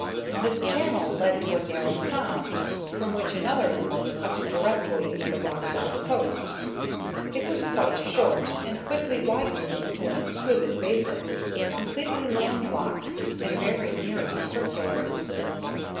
This channel led to a narrow sound, from which another inlet cut directly into the rock bound coast. It was quite short, and quickly widened into an exquisite basin, completely land locked and very nearly circular.